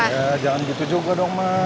ya jangan gitu juga dong ma